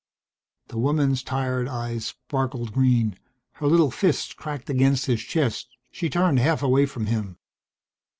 The woman's tired eyes sparkled green. Her little fist cracked against his chest. She turned half away from him.